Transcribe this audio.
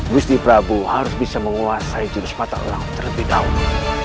gusti prabu harus bisa menguasai jenis patah orang terlebih dahulu